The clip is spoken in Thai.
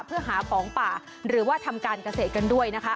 เพื่อหาของป่าหรือว่าทำการเกษตรกันด้วยนะคะ